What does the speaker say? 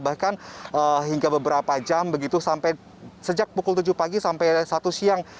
bahkan hingga beberapa jam begitu sampai sejak pukul tujuh pagi sampai satu siang